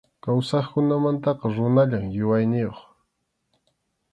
Kawsaqkunamantaqa runallam yuyayniyuq.